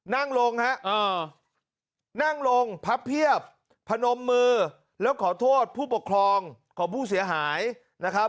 นั่งลงฮะนั่งลงพับเพียบพนมมือแล้วขอโทษผู้ปกครองของผู้เสียหายนะครับ